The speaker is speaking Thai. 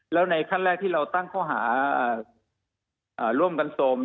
แล้วในขั้นแรกที่เราตั้งข้อหาร่วมกันโทรม